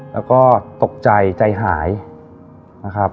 แล้วก็ตกใจใจหายนะครับ